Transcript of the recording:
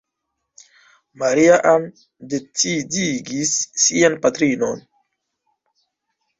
Maria-Ann decidigis sian patrinon.